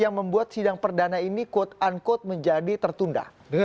yang membuat sidang perdana ini quote unquote menjadi tertunda